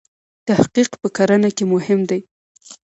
تحقیق په کرنه کې مهم دی.